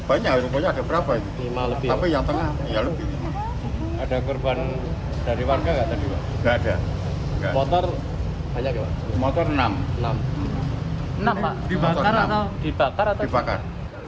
enam pak dibakar atau dibakar